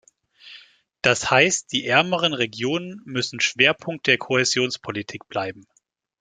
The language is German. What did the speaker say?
Das heißt, die ärmeren Regionen müssen Schwerpunkt der Kohäsionspolitik bleiben.